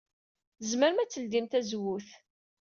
Tzemrem ad tledyem tazewwut.